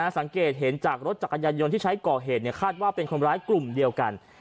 สังเกตเห็นจากรถจักรยานยนต์ที่ใช้ก่อเหตุคาดว่าเป็นคนร้ายกลุ่มเดียวกัน